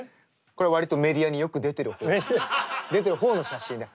これ割とメディアによく出てる方の写真ね。